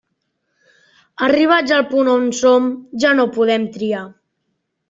Arribats al punt on som, ja no podem triar.